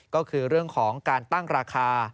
ก็คือเรื่องของการตั้งราคา